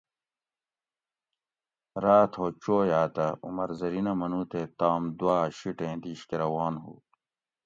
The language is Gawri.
راۤت ھو چوئے آۤتہ عمر زرینہ منو تے تام دوآۤ شیٹیں دِیش کہ روان ہُو